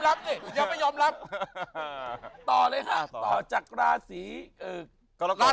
รับนี้ยอมไหร่ยอมรับต่อเลยเธอจากลาศีก็ลา